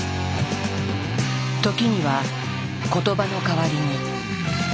時には言葉の代わりに。